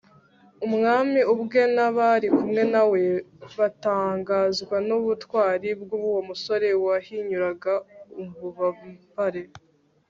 umwami ubwe n'abari kumwe na we batangazwa n'ubutwari bw'uwo musore, wahinyuraga ububabare